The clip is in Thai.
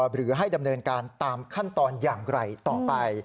หรือให้ดำเนินการตามขั้นตอนอย่างไรต่อไป